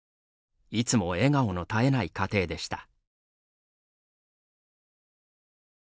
いつも笑顔の絶えない家庭でした。